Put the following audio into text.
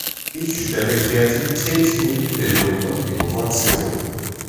Ich stelle Kreativität neben Bildung und Innovation.